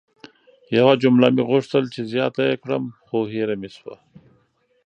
یوه جمله مې غوښتل چې زیاته ېې کړم خو هیره مې سوه!